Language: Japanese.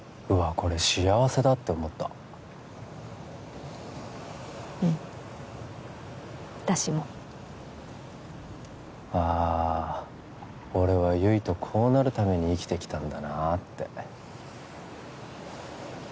これ幸せだって思ったうん私もあ俺は悠依とこうなるために生きてきたんだなあって